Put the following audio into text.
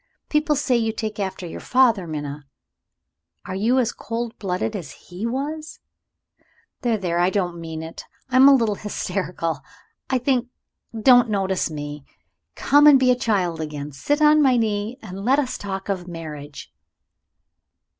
People say you take after your father, Minna. Are you as cold blooded as he was? There! there! I don't mean it; I am a little hysterical, I think don't notice me. Come and be a child again. Sit on my knee, and let us talk of your marriage."